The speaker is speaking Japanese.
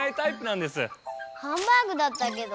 ハンバーグだったけど。